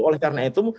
oleh karena itu